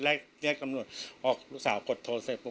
แรกแจ้งตำนวนลูกสาวกดโทรเสร็จ